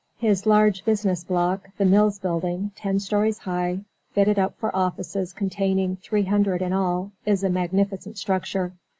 His large business block, the Mills Building, ten stories high, fitted up for offices containing three hundred in all, is a magnificent structure.